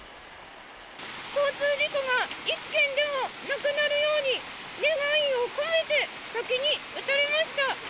交通事故が一件でもなくなるように、願いを込めて、滝に打たれました。